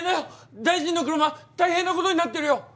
大臣の車大変なことになってるよ！